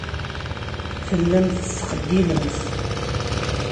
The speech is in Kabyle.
Tellamt tettqeyyilem.